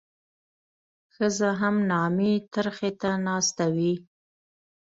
ښځه هم نامي ترخي ته ناسته وي.